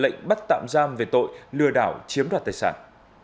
lệnh bắt tạm giam về tội lừa đảo chiếm đoạt tài sản